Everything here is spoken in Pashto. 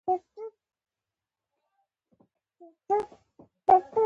په دې برخه کې د سروې طریقې او مسیر مطالعه کیږي